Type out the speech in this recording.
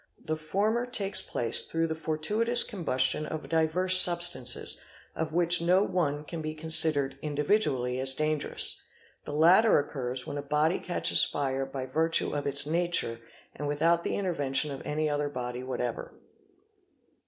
The former takes place through _ the fortuitous combustion of diverse substances, of which no one can be _ considered, individually, as dangerous; the latter occurs when a body _ catches fire by virtue of its nature and without the intervention of any _ other body whatever.